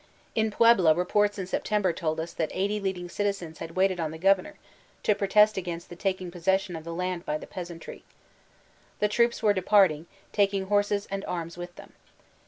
In Puebla reports in September told us that eighty leading citizens had waited on the governor to protest against the taking possession of the land by the peasan try. The troops were deserting, taking horses and arms with them.